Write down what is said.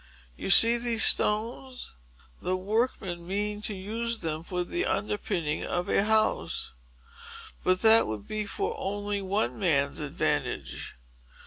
You see these stones. The workmen mean to use them for the underpinning of a house; but that would be for only one man's advantage.